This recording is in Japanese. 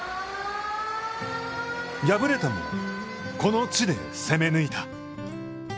敗れても、この地で攻めぬいた。